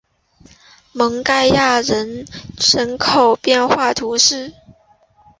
蒙盖亚尔人口变化图示